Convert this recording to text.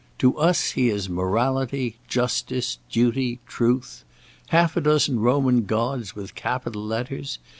To us he is Morality, Justice, Duty, Truth; half a dozen Roman gods with capital letters.